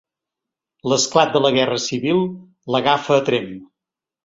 L'esclat de la Guerra Civil l'agafa a Tremp.